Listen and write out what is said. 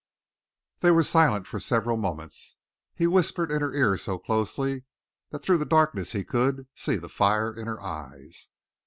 They were silent for several moments. He whispered in her ear so closely that through the darkness he could, see the fire in her eyes.